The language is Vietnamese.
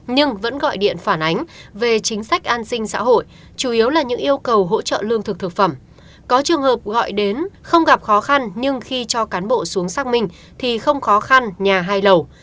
nhưng vẫn gọi điện phản ánh về chính sách an sinh xã hội chủ yếu là những yêu cầu hỗ trợ lương thực thực phẩm có trường hợp gọi đến không gặp khó khăn nhưng khi cho cán bộ xuống xác minh thì không khó khăn nhà hay lẩu